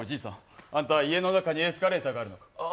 おじいさん、あんたは家の中にエスカレーターがあるのか？